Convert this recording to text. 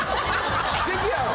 奇跡やろ！